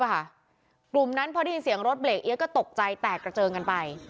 กลุ่มนั้นพอได้ยินเสียงรถเบรกเอี๊ยก็ตกใจแตกกระเจิงกันไป